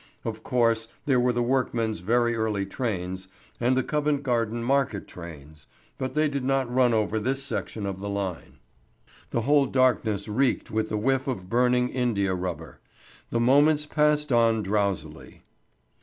Of course, there were the work men's very early trains, and the Covent Garden market trains, but they did not run over this section of the line. The whole darkness reeked with the whiff of burning indiarubber. The moments passed on drowsily.